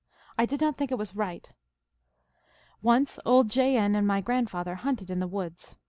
I did not think it was right. " Once old J. N. and my grandfather hunted in the woods.